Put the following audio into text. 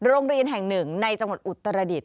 โรงเรียนแห่งหนึ่งในจังหวัดอุตรดิษฐ